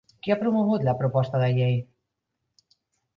Qui ha promogut la proposta de llei?